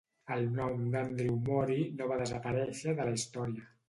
El nom d'Andrew Moray no va desaparèixer de la història.